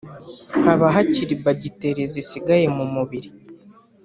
haba hakiri bagiteri zisigaye mu mubiri